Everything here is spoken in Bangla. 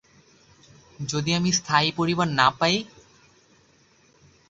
যদি আমি স্থায়ী পরিবার না পাই?